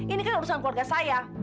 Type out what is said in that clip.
ini kan urusan keluarga saya